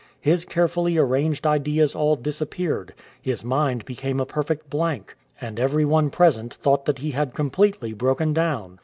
His carefully arranged ideas all disappeared ; his mind became a perfect blank ; and every one present thought that he had completely broken down.